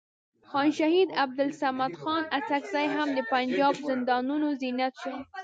خان شهید عبدالصمد خان اڅکزی هم د پنجاب زندانونو زینت شو.